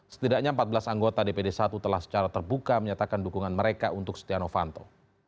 setidaknya empat belas anggota dpd satu telah secara terbuka menyatakan dukungan mereka untuk stiano fanto